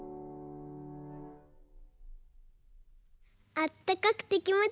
あったかくてきもちいいね。ね。